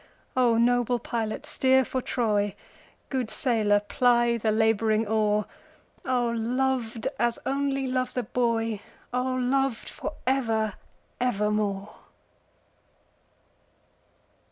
O noble pilot steer for Troy, Good sailor ply the labouring oar,O loved as only loves a boy!O loved for ever evermore!